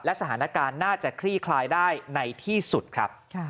และสถานการณ์น่าจะคลี่คลายได้ในที่สุดครับ